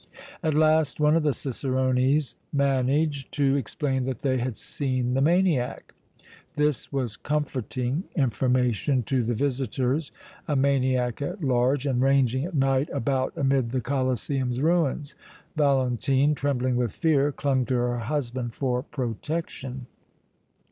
At last one of the cicerones managed to explain that they had seen the maniac! This was comforting information to the visitors! A maniac at large and ranging at night about amid the Colosseum's ruins! Valentine, trembling with fear, clung to her husband for protection.